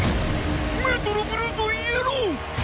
メトロブルーとイエロー！